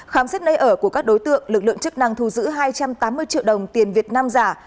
khám xét nơi ở của các đối tượng lực lượng chức năng thu giữ hai trăm tám mươi triệu đồng tiền việt nam giả